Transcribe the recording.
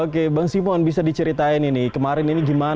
oke bang simon bisa diceritain ini kemarin ini gimana